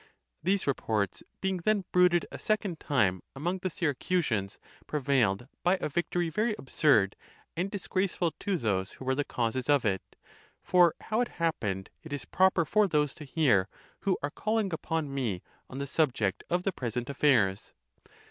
These reports being then bruited a second time among the Syracusans prevailed by a victory very absurd and disgrace ful to those who were the causes of it. For how it happened it is proper for those to hear, who are calling upon me on the subject of the present affairs.